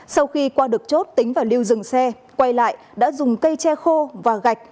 sau khi qua được chốt tính vào lưu dừng xe quay lại đã dùng cây che khô và gạch